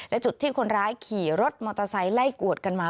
และจุดที่คนร้ายขี่รถมอเตอร์ไซค์ไล่กวดกันมา